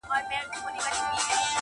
بیا به اوبه وي پکښي راغلي -